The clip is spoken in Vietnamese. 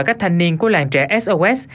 các thanh niên của làng trẻ sos